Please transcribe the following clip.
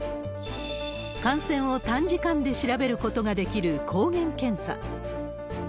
感染を短時間で調べることができる抗原検査。